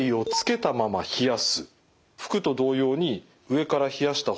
服と同様に上から冷やした方がいい